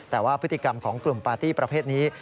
แต่ว่าพฤติกรรมของกลุ่มปาร์ตี้ประเภทนี้